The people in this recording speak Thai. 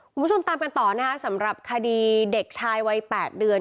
คุณผู้ชมตามกันต่อนะคะสำหรับคดีเด็กชายวัย๘เดือน